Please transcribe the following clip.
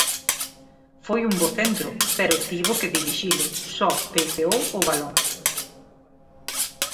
Foi un bo centro, pero tivo que dirixilo, só peiteou o balón.